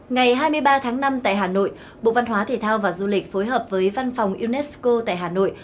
ngày hai mươi ba tháng năm tại hà nội bộ văn hóa thể thao và du lịch phối hợp với văn phòng unesco tại hà nội